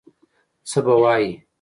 څه به وایي.